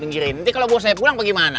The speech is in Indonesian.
nanti kalau bos aja pulang apa gimana